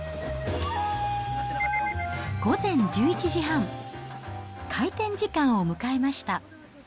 午前１１時半、開店時間を迎えました。